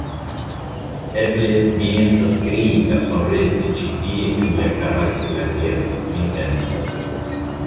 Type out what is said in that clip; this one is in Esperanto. Eble mi estas kreita por resti ĉi tie en la karasi-lageto, mi pensas.